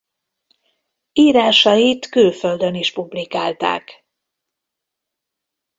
Írásait külföldön is publikálták.